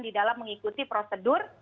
di dalam mengikuti prosedur